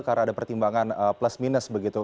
karena ada pertimbangan plus minus begitu